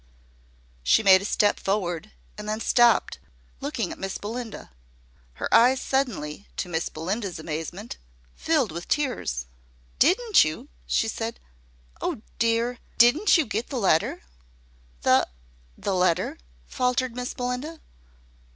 She made a step forward, and then stopped, looking at Miss Belinda. Her eyes suddenly, to Miss Belinda's amazement, filled with tears. "Didn't you," she said, "oh, dear! Didn't you get the letter?" "The the letter!" faltered Miss Belinda.